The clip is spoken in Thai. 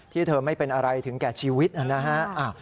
เธอไม่เป็นอะไรถึงแก่ชีวิตนะฮะ